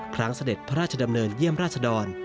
เสด็จพระราชดำเนินเยี่ยมราชดร